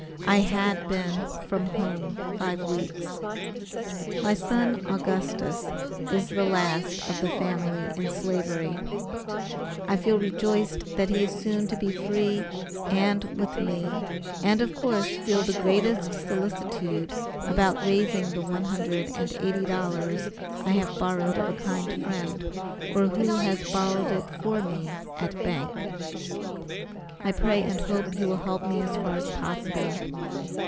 I had been from home five weeks. My son Augustus is the last of the family in Slavery. I feel rejoiced that he is soon to be free and with me, and of course feel the greatest solicitude about raising the one hundred and eighty dollars I have borrowed of a kind friend, or who has borrowed it for me at bank. I hope and pray you will help me as far as possible.